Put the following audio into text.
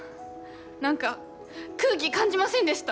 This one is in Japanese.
何か空気、感じませんでした？